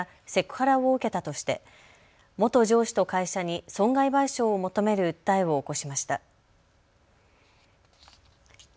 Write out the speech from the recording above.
ハラやセクハラを受けたとして、元上司と会社に損害賠償を求める訴えを起こしました。